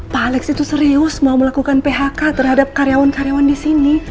pak alex itu serius mau melakukan phk terhadap karyawan karyawan di sini